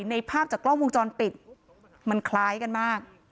ภาพจากกล้องวงจรปิดมันคล้ายกันมาก